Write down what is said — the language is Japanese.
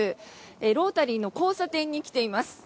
ロータリーの交差点に来ています。